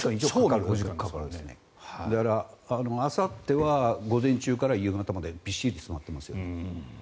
だから、あさっては午前中から夕方までびっしり詰まっていますよね。